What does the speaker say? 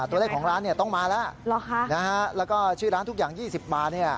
ตัวเลขของร้านเนี่ยต้องมาแล้วแล้วก็ชื่อร้านทุกอย่าง๒๐บาทเนี่ย